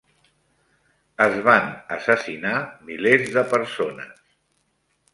Es van assassinar milers de persones.